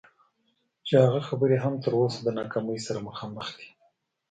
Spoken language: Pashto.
چې هغه خبرې هم تر اوسه د ناکامۍ سره مخامخ دي.